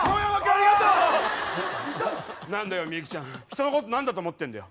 人のこと何だと思ってんだよ。